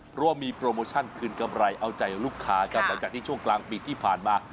เพราะว่ามีโปรโมชั่นคืนกำไรเอาใจลูกค้าครับหลังจากที่ช่วงกลางปีที่ผ่านมา